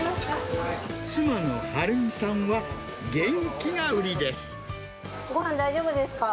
妻の春美さんは、元気が売りごはん大丈夫ですか？